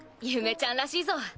ゆめちゃんらしいぞ。